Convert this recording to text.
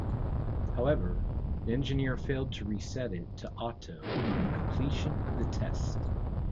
However, the engineer failed to reset it to "auto" on completion of the test.